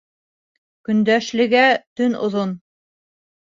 Көндәшлегә төн оҙон.